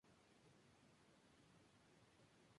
Perteneciente al Sector Crítico de Comisiones Obreras.